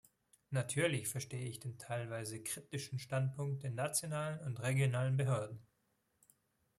Natürlich verstehe ich den teilweise kritischen Standpunkt der nationalen und regionalen Behörden.